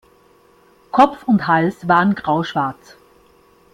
Kopf und Hals waren grauschwarz.